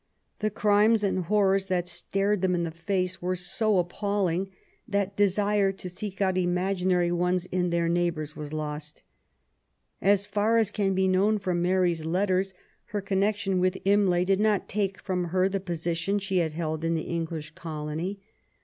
The crimes and horrors that stared them in the face were so appalling that desire to seek out imaginary ones in their neigh bours was lost. As far as can be known from Mary's letters, her connection with Imlay did not take &om her the position she had held in the English colony.